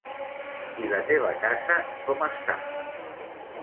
I la teva casa, com està?